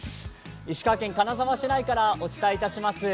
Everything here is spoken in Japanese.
石川県金沢市内からお伝えします。